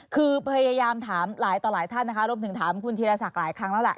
คือพยายามถามหลายต่อหลายท่านนะคะรวมถึงถามคุณธีรศักดิ์หลายครั้งแล้วล่ะ